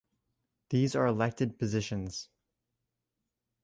These are elected positions.